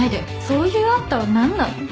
そういうあんたは何なの？